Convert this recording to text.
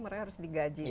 karena harus digaji semua